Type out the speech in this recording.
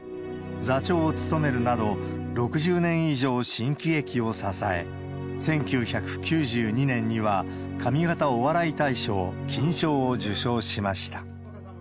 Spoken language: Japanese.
座長を務めるなど、６０年以上新喜劇を支え、１９９２年には上方お笑い大賞金賞を受賞しました。